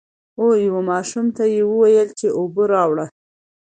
او يو ماشوم ته يې ووې چې اوبۀ راوړه ـ